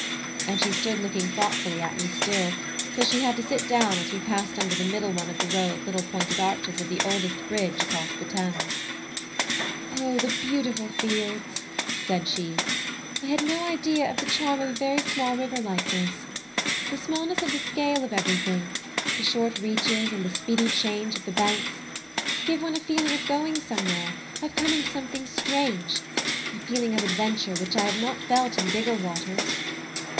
And she stood looking thoughtfully at me still, till she had to sit down as we passed under the middle one of the row of little pointed arches of the oldest bridge across the Thames. "O the beautiful fields!" she said; "I had no idea of the charm of a very small river like this. The smallness of the scale of everything, the short reaches, and the speedy change of the banks, give one a feeling of going somewhere, of coming to something strange, a feeling of adventure which I have not felt in bigger waters."